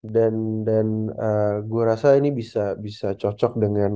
dan dan eee gue rasa ini bisa bisa cocok dengan